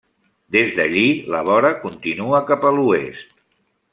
Des d'allí la vora continua cap a l'oest.